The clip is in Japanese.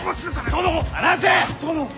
殿！